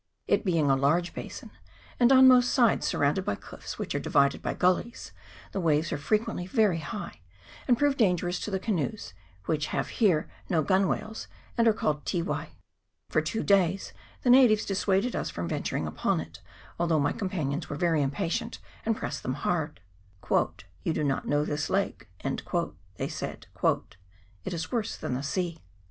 It being a large basin, and on most sides surrounded by cliffs, which are divided by gulleys, the waves are frequently very high, and prove dangerous to the canoes, which have here no gunwhales, and are called tiwai. For two days the natives dissuaded us from venturing upon it, although my companions were very impatient, and pressed them hard. " You do not know this lake," they said ;" it is worse than the sea."